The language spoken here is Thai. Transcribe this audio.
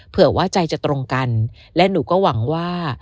เผื่อว่าใจจะตรงกันและหนูก็หวังว่า